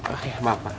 ah ya bapak